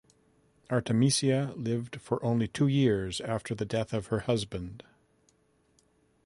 Artemisia lived for only two years after the death of her husband.